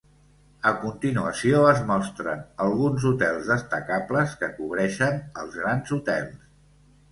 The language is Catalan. A continuació, es mostren alguns hotels destacables que cobreixen els "grans hotels".